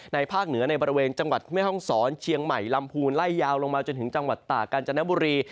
ภาคเหนือในบริเวณจังหวัดแม่ห้องศรเชียงใหม่ลำพูนไล่ยาวลงมาจนถึงจังหวัดตากาญจนบุรี